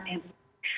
dan yang pertama